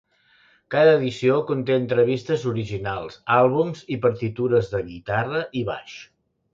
Cada edició conté entrevistes originals, àlbums i partitures de guitarra i baix.